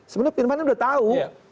sebenarnya firman ini udah tahu